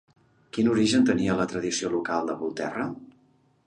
Quin origen tenia la tradició local de Volterra?